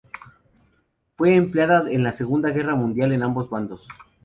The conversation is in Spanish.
Fue empleada en la Segunda Guerra Mundial en ambos bandos.